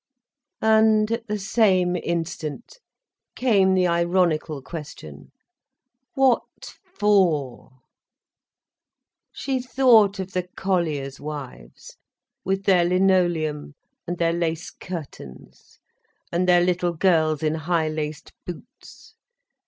And at the same instant, came the ironical question: "What for?" She thought of the colliers' wives, with their linoleum and their lace curtains and their little girls in high laced boots.